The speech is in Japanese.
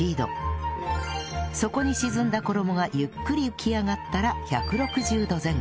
底に沈んだ衣がゆっくり浮き上がったら１６０度前後